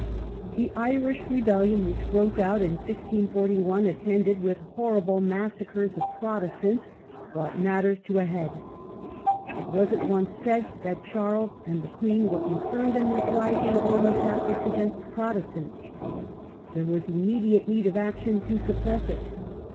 The Irish rebellion, which broke out in 1641, attended with horrid massacres of Protestants, brought matters to An ultimatum a head. It was at once said that Charles and to the king, (j^^ queen were concerned in this rising of Roman Catholics against Protestants. There was im mediate need of action to suppress it.